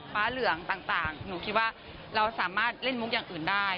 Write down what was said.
เหลืองต่างหนูคิดว่าเราสามารถเล่นมุกอย่างอื่นได้